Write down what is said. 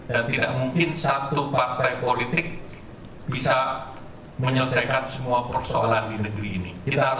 dan tidak mungkin satu partai politik bisa menyelesaikan semua persoalan di negeri ini kita